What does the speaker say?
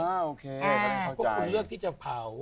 โอเคเขาก็คุณเลือกที่จะเผา